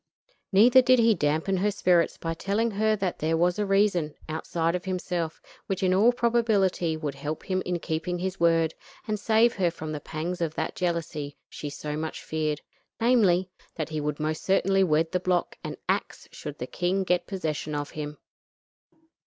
Neither did he dampen her spirits by telling her that there was a reason, outside of himself, which in all probability would help him in keeping his word, and save her from the pangs of that jealousy she so much feared; namely, that he would most certainly wed the block and ax should the king get possession of him.